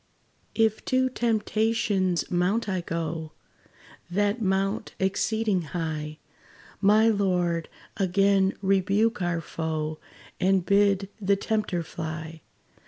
If to Temptation's mount I go, That mount exceeding high, My Lord, again rebuke our foe, And bid the tempter fly.